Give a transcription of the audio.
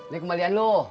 lek kembalian lu